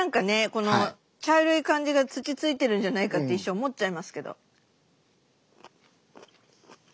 この茶色い感じが土ついてるんじゃないかって一瞬思っちゃいますけど。